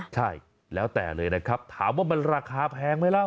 ใช่แล้วแต่เลยนะครับถามว่ามันราคาแพงไหมล่ะ